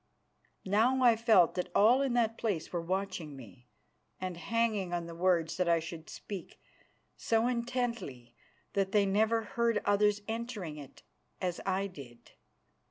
Now, I felt that all in that place were watching me and hanging on the words that I should speak, so intently that they never heard others entering it, as I did.